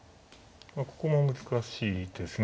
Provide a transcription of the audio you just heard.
まあここも難しいですね。